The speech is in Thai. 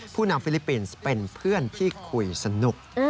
นำฟิลิปปินส์เป็นเพื่อนที่คุยสนุก